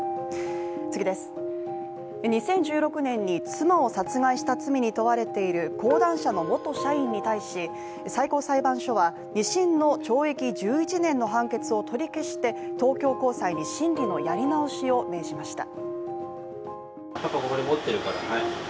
２０１６年に妻を殺害した罪に問われている講談社の元社員に対し最高裁判所は２審の懲役１１年の判決を取り消して東京高裁に審理のやり直しを命じました。